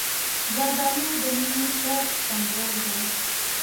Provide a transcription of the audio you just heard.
زردالو د مینې خوږ سمبول دی.